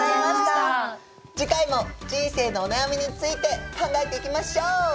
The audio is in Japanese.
次回も人生のお悩みについて考えていきましょう！